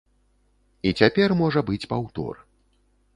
І цяпер можа быць паўтор.